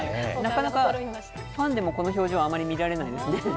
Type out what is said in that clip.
なかなかファンでもこの表情、あまり見られないですね。